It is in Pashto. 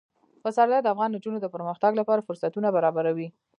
پسرلی د افغان نجونو د پرمختګ لپاره فرصتونه برابروي.